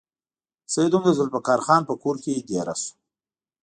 سید هم د ذوالفقار خان په کور کې دېره شو.